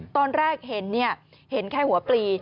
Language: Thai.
ตอนแรกเห็นเนี่ยเห็นแค่หัวปลี